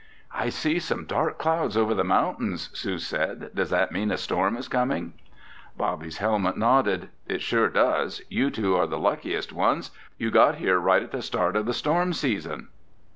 "I see some dark clouds over the mountains," Sue said. "Does that mean a storm is coming?" Bobby's helmet nodded. "It sure does! You two are the luckiest ones! You got here right at the start of the storm season."